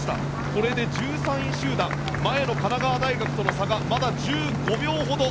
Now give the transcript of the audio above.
これで１３位集団前の神奈川大学との差がまだ１５秒ほど。